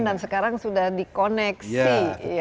dan sekarang sudah dikoneksi